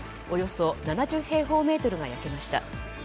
およそ７０平方メートルが焼けました。